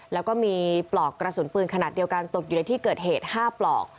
แล้วก็มีปลอกกระสุนปืนขนาดเดียวกันตกอยู่ในที่เกิดเหตุ๕ปลอก